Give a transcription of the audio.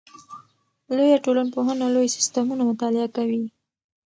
لویه ټولنپوهنه لوی سیستمونه مطالعه کوي.